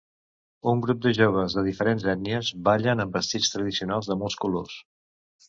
Un grup de joves de diferents ètnies ballen amb vestits tradicionals de molts colors